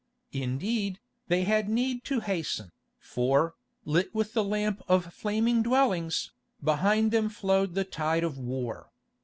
Indeed, they had need to hasten, for, lit with the lamp of flaming dwellings, behind them flowed the tide of war.